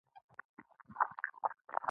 له ګڼو وړو سړکونو، د اورګاډي له دوو پټلیو.